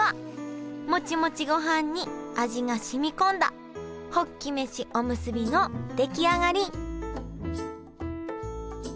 モチモチごはんに味がしみこんだホッキ飯おむすびの出来上がり！